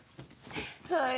はい。